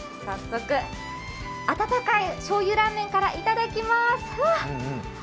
早速、あたたかいしょうゆラーメンからいただきます！